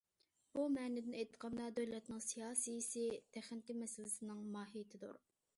بۇ مەنىدىن ئېيتقاندا دۆلەتنىڭ سىياسىيسى تېخنىكا مەسىلىسىنىڭ ماھىيىتىدۇر.